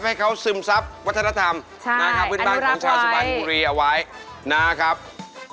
ให้เขาซึมซับวัฒนธรรมนะครับพื้นบ้านของชาวสุพรรณบุรีเอาไว้นะครับ